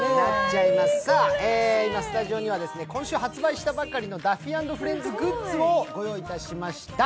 今、スタジオには今週発売したばかりのダッフィー＆フレンズグッズをご用意しました。